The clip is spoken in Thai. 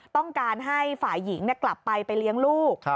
ต้องการให้ฝ่ายหญิงกลับไปไปเลี้ยงลูก